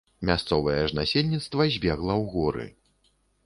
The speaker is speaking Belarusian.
Мясцовае ж насельніцтва збегла ў горы.